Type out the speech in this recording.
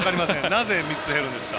なぜ３つ減るんですか？